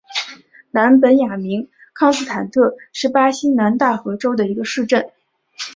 南本雅明康斯坦特是巴西南大河州的一个市镇。